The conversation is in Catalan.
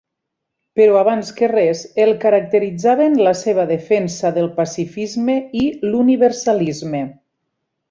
Però abans que res, el caracteritzaven la seva defensa del pacifisme i l'universalisme.